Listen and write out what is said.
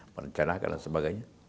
merecanakan dan sebagainya